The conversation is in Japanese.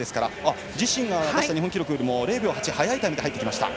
自身が出した日本記録よりも０秒８速いタイムで入ってきました。